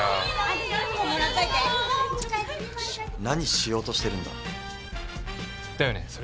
何しようとしてるんだ？だよね。